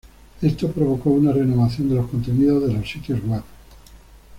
Esto provocó una renovación de los contenidos de los sitios web.